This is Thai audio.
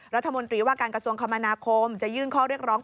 รัฐมนตรีว่าการกระทรวงคมนาคมจะยื่นข้อเรียกร้อง